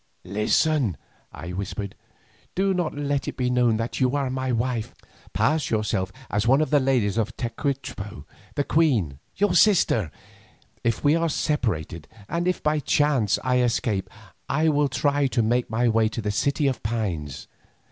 "Listen," I whispered; "do not let it be known that you are my wife; pass yourself as one of the ladies of Tecuichpo, the queen, your sister. If we are separated, and if by any chance I escape, I will try to make my way to the City of Pines.